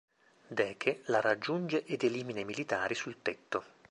Deke la raggiunge ed elimina i militari sul tetto.